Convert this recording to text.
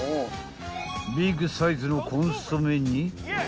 ［ビッグサイズのコンソメに］